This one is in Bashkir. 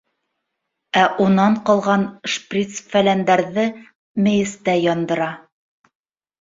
Ә унан ҡалған шприц-фәләндәрҙе мейестә яндыра.